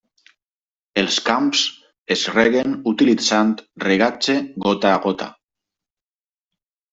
Els camps es reguen utilitzant regatge gota a gota.